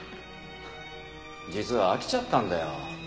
実は飽きちゃったんだよ